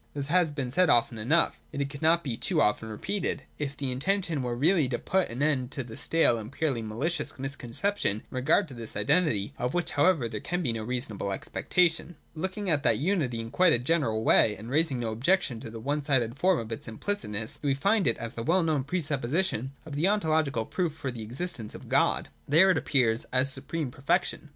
This has been said often enough. Yet it could not be too often repeated, if the intention were really to put an end to the stale and purely malicious misconception in regard to this identity :— of which however there can be no reasonable expectation. Looking at that unity in a quite general way, and raising no objection to the one sided form of its implicit ness, we find it as the well known pre supposition of the ontological proof for the existence of God. There, it appears as supreme perfection.